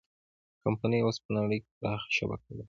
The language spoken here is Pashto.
کمپنۍ اوس په نړۍ کې پراخه شبکه لري.